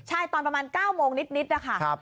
ใช่ตอนประมาณ๙โมงนิดนะคะ